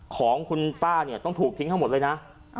ของคนป้าต้องถูกทิ้งทั้งหมดเลยนะ